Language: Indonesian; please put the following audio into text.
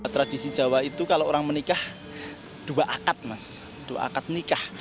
tradisi jawa itu kalau orang menikah dua akad mas dua akad nikah